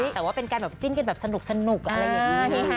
แต่ว่าเป็นการแบบจิ้นกันแบบสนุกอะไรอย่างนี้